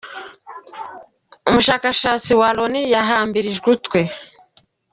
Umushakashatsi wa Loni yahambirijwe utwe